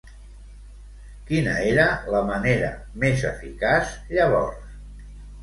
Quina era la manera més eficaç llavors?